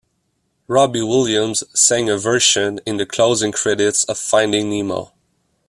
Robbie Williams sang a version in the closing credits of Finding Nemo.